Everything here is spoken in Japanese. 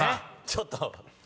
ちょっと！